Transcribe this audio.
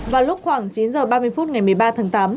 vào lúc khoảng chín h ba mươi phút ngày một mươi ba tháng tám